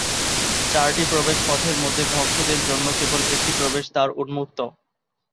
চারটি প্রবেশ পথের মধ্যে ভক্তদের জন্য কেবল একটি প্রবেশদ্বার উন্মুক্ত।